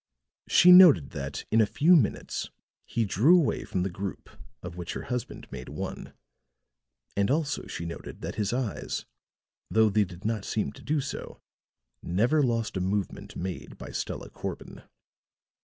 She noted that, in a few minutes, he drew away from the group of which her husband made one; and also she noted that his eyes, though they did not seem to do so, never lost a movement made by Stella Corbin.